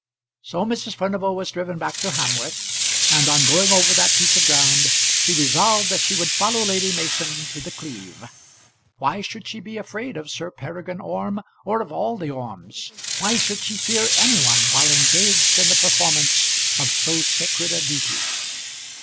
So Mrs. Furnival was driven back to Hamworth, and on going over that piece of ground she resolved that she would follow Lady Mason to The Cleeve. Why should she be afraid of Sir Peregrine Orme or of all the Ormes? Why should she fear any one while engaged in the performance of so sacred a duty?